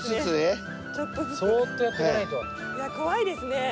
いや怖いですね。